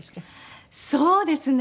そうですね。